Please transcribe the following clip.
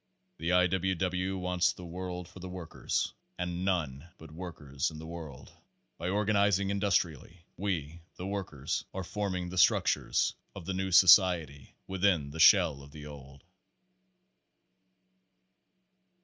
The I. W. W. wants the world for the workers, and none but workers in the world. "By organizing indus trially, we (the workers) are forming the structure of the new society within the shell of the old."